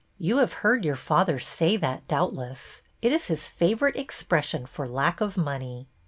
You have heard your father say that, doubtless. It is his favorite expression for lack of money."